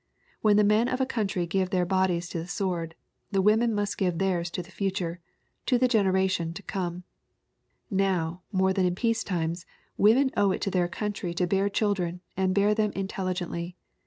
When the men of a country give their bodies to the sword, the women must give theirs to the future to the generation to come. Now, more than in peace times, women owe it to their country to bear children, and bear them intelligently.